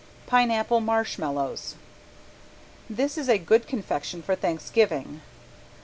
~PINEAPPLE MARSHMALLOWS~ This is a good confection for Thanksgiving.